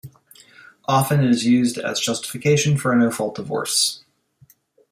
Often, it is used as justification for a no-fault divorce.